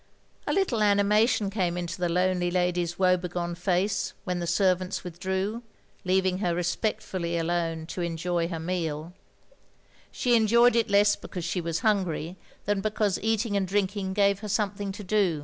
A little animation came into the lonely lady's woe begone face when the servants withdrew, leaving her respectfully alone to enjoy her meal She enjoyed it less because she was hungry OP GROSVENOR SQUARE 13 than because eating and drinking gave her something to do.